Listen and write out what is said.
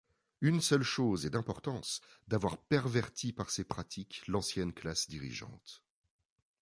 Une seule chose et d'importance, d'avoir perverti par ses pratiques l'ancienne classe dirigeante.